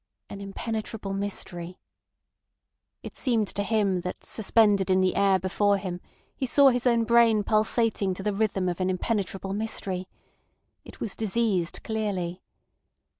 "An impenetrable mystery. ..." It seemed to him that suspended in the air before him he saw his own brain pulsating to the rhythm of an impenetrable mystery. It was diseased clearly.